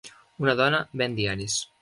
Una dona ven diaris.